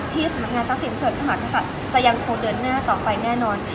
ที่สำหรับงานทักษิติฝรรดิ์พระมหากษัตริย์จะยังขอเดินหน้าต่อไปแน่นอน